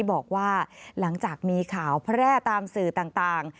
บอกว่าหลังจากมีข่าวแพร่ตามสื่อต่าง